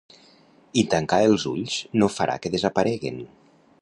I tancar els ulls no farà que desapareguen.